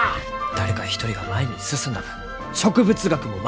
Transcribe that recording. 誰か一人が前に進んだ分植物学も前に進む！